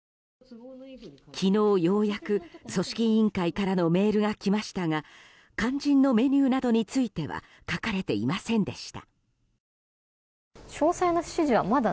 昨日、ようやく組織委員会からのメールが来ましたが肝心のメニューなどについては書かれていませんでした。